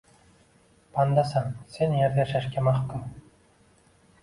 Bandasan — sen yerda yashashga mahkum